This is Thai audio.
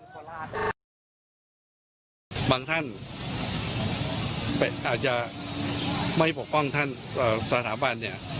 บางท่านอาจจะไม่ปกป้องท่านสถาบันเนี่ย